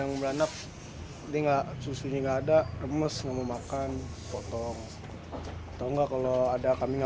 yang berabad tolong angki teman yang ada yang tidak ada induk